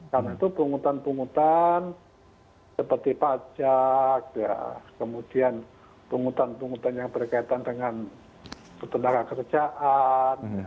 karena itu penghutan penghutan seperti pajak ya kemudian penghutan penghutan yang berkaitan dengan tenaga kerjaan